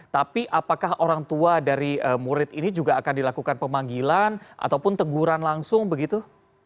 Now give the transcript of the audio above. tapi apakah orang tua dari murid ini juga akan dilakukan pemanggilan ataupun teguran langsung begitu